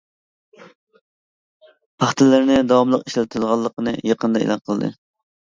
پاختىلىرىنى داۋاملىق ئىشلىتىدىغانلىقىنى يېقىندا ئېلان قىلدى.